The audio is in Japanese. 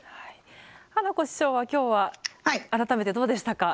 花子師匠は今日は改めてどうでしたか？